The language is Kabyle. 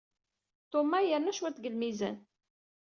Thomas yerna cwiṭ deg lmizan.